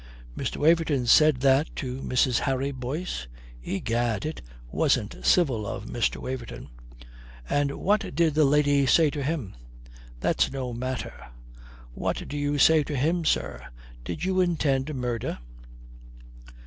"Mr. Waverton said that to Mrs. Harry Boyce? Egad, it wasn't civil of Mr. Waverton. And what did the lady say to him?" "That's no matter. What do you say to him, sir? Did you intend murder?"